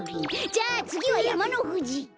じゃあつぎはやまのふじ！